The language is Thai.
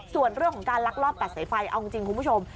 ส่วนเรื่องของการลักลอบตัดสายไฟเอาจริงคุณผู้ชม